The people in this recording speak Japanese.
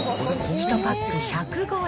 １パック１０５円。